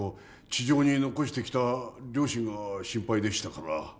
地上に残してきた両親が心配でしたから。